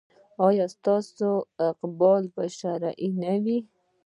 ایا ستاسو قباله به شرعي نه وي؟